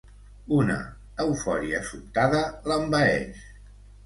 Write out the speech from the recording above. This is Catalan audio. Una eufòria sobtada l'envaeix.